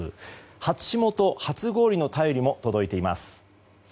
初霜と初氷の便りも届いています。